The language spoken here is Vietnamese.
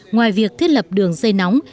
ngoài việc thiết lập đường dây nóng